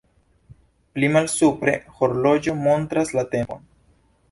Pli malsupre horloĝo montras la tempon.